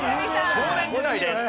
少年時代です。